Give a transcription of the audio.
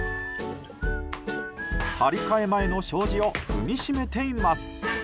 張り替え前の障子を踏みしめています。